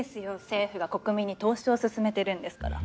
政府が国民に投資をすすめてるんですから。